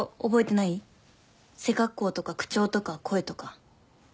背格好とか口調とか声とか。